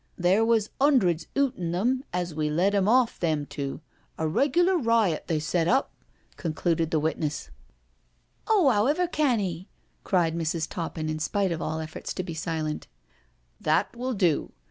" There was 'undreds 'ootin' them as we led 'em off, them two— a regular riot they set up," concluded the witness. 100 NO SURRENDER "Oh| *owever can 'el'* cried Mrs. Topping in spite of all efforts to be silent. •• That will do.